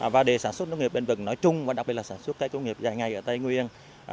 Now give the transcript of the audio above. và để sản xuất nông nghiệp bên vực nói chung và đặc biệt là sản xuất các công nghiệp dài ngày ở tây nguyên